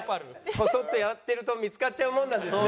コソッとやってると見つかっちゃうものなんですね。